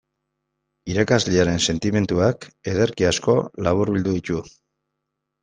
Irakaslearen sentimenduak ederki asko laburbildu ditu.